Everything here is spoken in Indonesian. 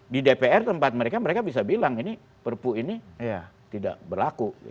di dpr tempat mereka mereka bisa bilang ini perpu ini tidak berlaku